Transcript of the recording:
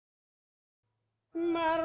sma dua bantul